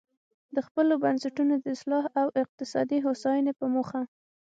د خپلو بنسټونو د اصلاح او اقتصادي هوساینې په موخه.